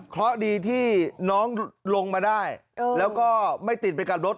เพราะดีที่น้องลงมาได้แล้วก็ไม่ติดไปกับรถ